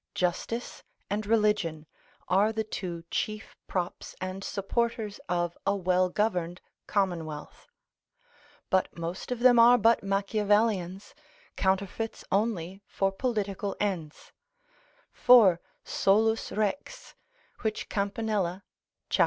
Justice and religion are the two chief props and supporters of a well governed commonwealth: but most of them are but Machiavellians, counterfeits only for political ends; for solus rex (which Campanella, cap.